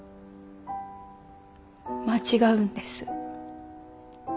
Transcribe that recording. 間違うんです。